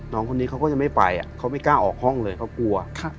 น้องคนนี้เขาก็จะไม่ไปเขาไม่กล้าออกห้องเลยเขากลัว